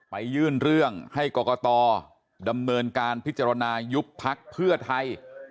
ยื่นเรื่องให้กรกตดำเนินการพิจารณายุบพักเพื่อไทย